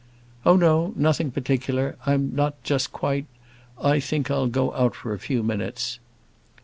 "Oh, no; nothing particular. I'm not just quite I think I'll go out for a few minutes."